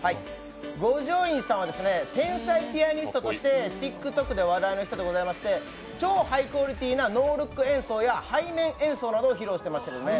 五条院さんは天才ピアニストとして、ＴｉｋＴｏｋで話題の人でございまして、超ハイクオリティーなノールック演奏や背面演奏などを披露していますね。